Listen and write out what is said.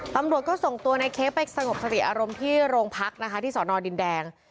ตำรวจก็ส่งตัวในเค้กไปสงบสติอารมณ์ที่โรงพักนะคะที่สอนอดินแดง